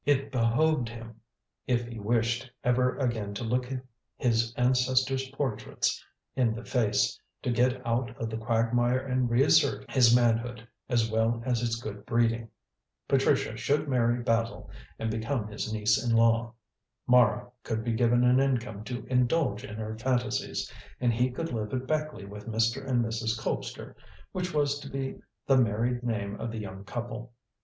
It behoved him, if he wished ever again to look his ancestors' portraits in the face, to get out of the quagmire and reassert his manhood as well as his good breeding. Patricia should marry Basil and become his niece in law. Mara could be given an income to indulge in her fantasies, and he could live at Beckleigh with Mr. and Mrs. Colpster, which was to be the married name of the young couple.